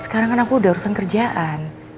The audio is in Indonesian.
sekarang kan aku udah urusan kerjaan